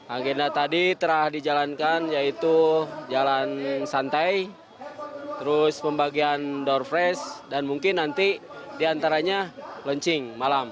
agenda tadi telah dijalankan yaitu jalan santai terus pembagian door fresh dan mungkin nanti diantaranya launching malam